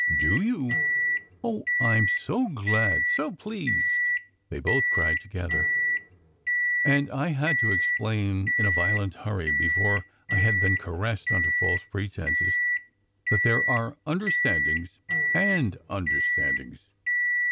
"Do you? Oh, I m so glad, so pleased," they both cried together. And I had to explain in a violent hurry, before I had been caressed under false pretences, that there are understandings and understandings.